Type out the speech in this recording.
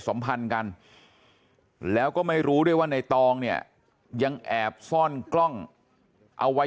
สัมพันธ์กันแล้วก็ไม่รู้ด้วยว่าในตองเนี่ยยังแอบซ่อนกล้องเอาไว้